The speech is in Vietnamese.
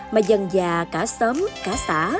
mà dân già cả xóm cả xã